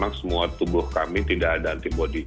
maka setelah awal semua tubuh kami tidak ada antibodi